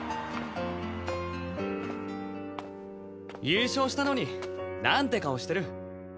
優勝したのになんて顔してる。